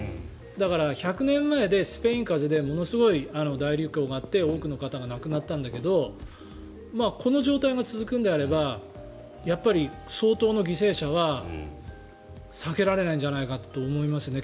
だから１００年前でスペイン風邪でものすごい大流行があって多くの方が亡くなったんだけどこの状態が続くのであればやっぱり相当な犠牲者は避けられないんじゃないかと思いますね。